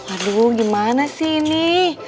aduh gimana sih ini